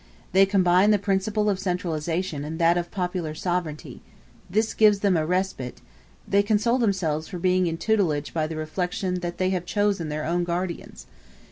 They combine the principle of centralization and that of popular sovereignty; this gives them a respite; they console themselves for being in tutelage by the reflection that they have chosen their own guardians.